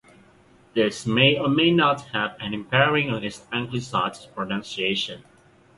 This may or may not have any bearing on its anglicised pronunciation.